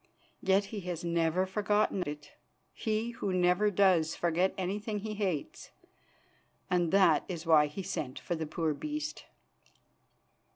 Yet he has never forgotten it, he who never does forget anything he hates, and that is why he sent for the poor beast."